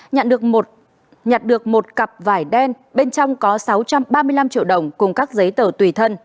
nhận được nhặt được một cặp vải đen bên trong có sáu trăm ba mươi năm triệu đồng cùng các giấy tờ tùy thân